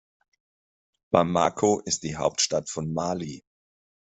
Bamako ist die Hauptstadt von Mali.